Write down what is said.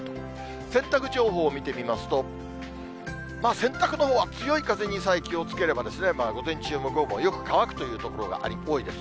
洗濯情報を見てみますと、洗濯のほうは強い風にさえ気をつければ午前中も午後もよく乾くという所が多いです。